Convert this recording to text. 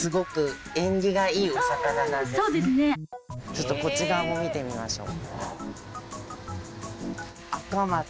ちょっとこっち側も見てみましょう。